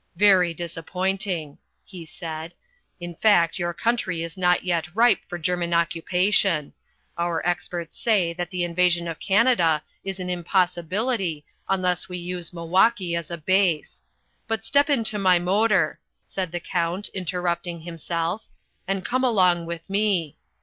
"Very disappointing," he said. "In fact your country is not yet ripe for German occupation. Our experts say that the invasion of Canada is an impossibility unless we use Milwaukee as a base But step into my motor," said the Count, interrupting himself, "and come along with me.